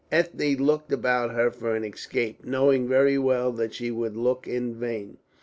Ethne looked about her for an escape, knowing very well that she would look in vain.